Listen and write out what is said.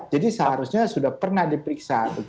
jadi seharusnya sudah pernah diperiksa